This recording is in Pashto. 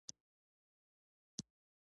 ایا زه باید د زړه ګراف وکړم؟